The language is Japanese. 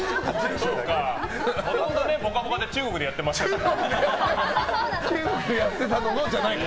もともと「ぽかぽか」は中国でやってましたから。